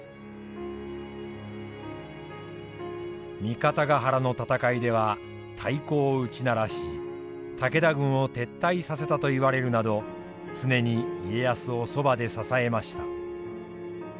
三方ヶ原の戦いでは太鼓を打ち鳴らし武田軍を撤退させたといわれるなど常に家康をそばで支えました。